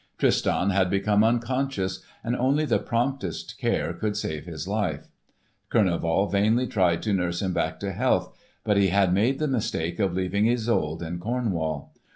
Tristan had become unconscious, and only the promptest care could save his life. Kurneval vainly tried to nurse him back to health, but he had made the mistake of leaving Isolde in Cornwall.